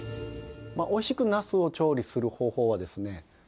おいしくなすを調理する方法はですね